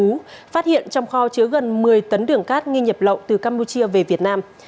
phát hiện trong kho chứa gần một mươi tấn đường cát nghi nhập lậu từ campuchia về việt nam